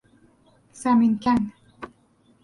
زمین کن